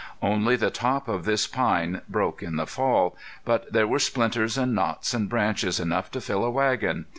Only the top of this pine broke in the fall, but there were splinters and knots and branches enough to fill a wagon.